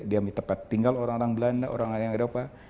dia tempat tinggal orang orang belanda orang orang eropa